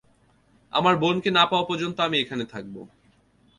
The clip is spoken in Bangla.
আমার বোনকে না পাওয়া পর্যন্ত আমি এখানে থাকব।